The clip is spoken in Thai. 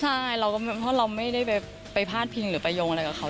ใช่เราก็ไม่ได้ไปพาดพิมพ์หรือไปยงอะไรกับเขา